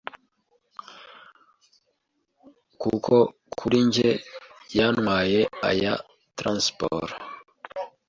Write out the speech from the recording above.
kuko kuri njye byantwaye aya transport